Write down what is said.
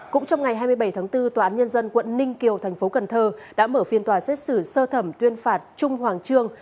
cũng trong ngày hai mươi bảy tháng bốn tòa án nhân dân quận ninh kiều thành phố cần thơ đã mở phiên tòa xét xử sơ thẩm tuyên phạt trung hoàng trương